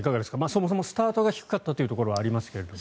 そもそもスタートが低かったということはありますが。